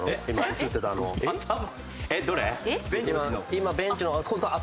今ベンチの頭